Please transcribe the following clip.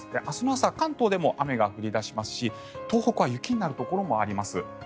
明日の朝関東でも雨が降り出しますし東北は雪になるところもあります。